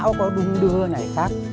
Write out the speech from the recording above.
bão có đung đưa này khác